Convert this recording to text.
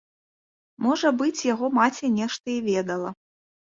Можа быць, яго маці нешта і ведала.